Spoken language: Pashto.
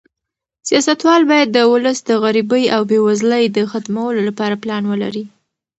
سیاستوال باید د ولس د غریبۍ او بې وزلۍ د ختمولو لپاره پلان ولري.